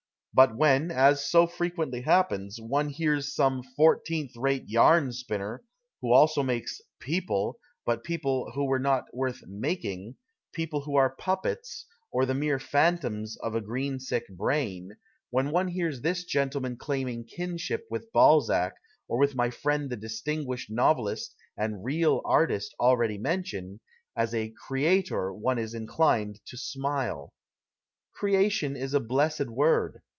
But when, as so frequently happens, one hears some fourteenth rate yarn spinner, who also makes " people," but ))copIc who were not worth juaking, people who arc puppets or I lie men plKuitonis of a greensick brain — when one hears this gentleman 91 PASTICHE AND PREJUDICE claiming kinship with Balzac or with my friend the distinguished novelist and real artist already mentioned, as a " creator " one is inclined to smile. " Creation ' is a blessed word.